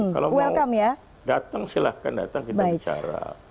kalau mau datang silahkan datang kita bicara